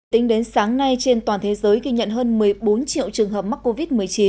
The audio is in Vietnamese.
tính đến sáng nay trên toàn thế giới ghi nhận hơn một mươi bốn triệu trường hợp mắc covid một mươi chín